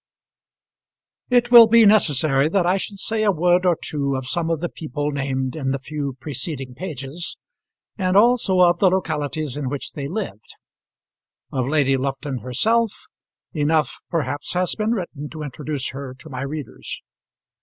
It will be necessary that I should say a word or two of some of the people named in the few preceding pages, and also of the localities in which they lived. Of Lady Lufton herself enough, perhaps, has been written to introduce her to my readers.